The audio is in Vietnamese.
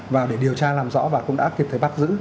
và để điều tra làm rõ và cũng đã kịp thời bắt giữ